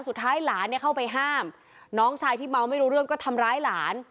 สุดท้ายหลานเนี่ยเข้าไปห้ามน้องชายที่เมาไม่รู้เรื่องก็ทำร้ายหลาน